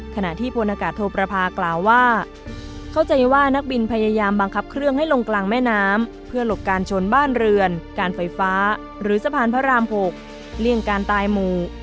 ขณะที่พลอากาศโทประพากล่าวว่าเข้าใจว่านักบินพยายามบังคับเครื่องให้ลงกลางแม่น้ำเพื่อหลบการชนบ้านเรือนการไฟฟ้าหรือสะพานพระราม๖เลี่ยงการตายหมู่